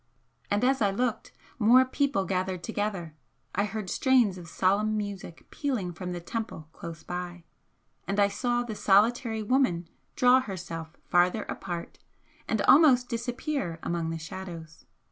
And as I looked, more people gathered together I heard strains of solemn music pealing from the temple close by and I saw the solitary woman draw herself farther apart and almost disappear among the shadows.